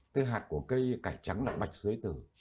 cái hạt của cây cải trắng là bạch dưới tử